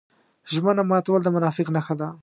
ژمنه ماتول د منافق نښه ده.